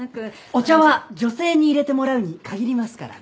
お茶は女性に入れてもらうに限りますからね。